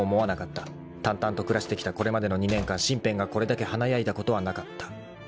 ［たんたんと暮らしてきたこれまでの２年間身辺がこれだけ華やいだことはなかった］